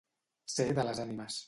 Ser de les ànimes.